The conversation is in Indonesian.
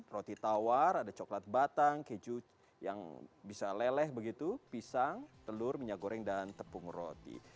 roti tawar ada coklat batang keju yang bisa leleh begitu pisang telur minyak goreng dan tepung roti